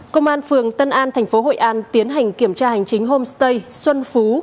công an phường tân an tp hội an tiến hành kiểm tra hành chính homestay xuân phú